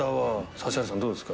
指原さんどうですか？